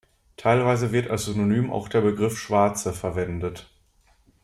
Teilweise wird als Synonym auch der Begriff Schwarze verwendet.